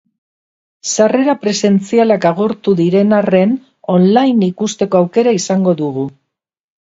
Sarrera presentzialak agortu diren arren, online ikusteko aukera izango dugu.